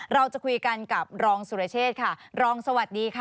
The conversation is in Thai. เราจะคุยกันกับรองสุรเชษค่ะรองสวัสดีค่ะ